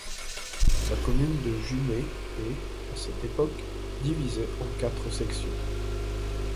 La commune de Jumet est, à cette époque, divisée en quatre sections.